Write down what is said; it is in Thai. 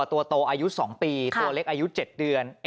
ตัวโตอายุ๒ปีตัวเล็กอายุ๗เดือน